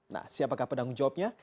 nah siapakah pendangung jawabnya